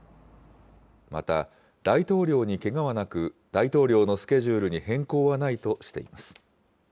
また大統領にけがはなく、大統領のスケジュールに変更はないとしています。